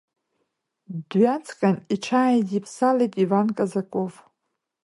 Дҩаҵҟьан, иҽааидиԥсалеит Иван Казаков.